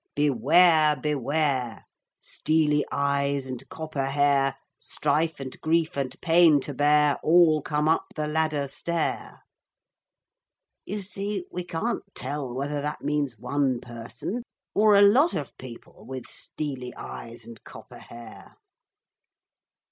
Beware, beware, Steely eyes and copper hair Strife and grief and pain to bear All come up the ladder stair. You see we can't tell whether that means one person or a lot of people with steely eyes and copper hair.'